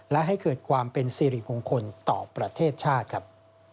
และให้เกิดความเป็นสิริมงคลต่อประเทศชาติครับ